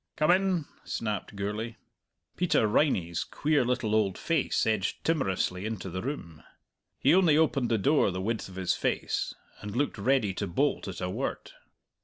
"Come in," snapped Gourlay. Peter Riney's queer little old face edged timorously into the room. He only opened the door the width of his face, and looked ready to bolt at a word.